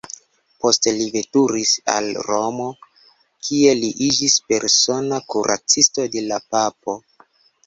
Poste li veturis al Romo, kie li iĝis persona kuracisto de la Papo.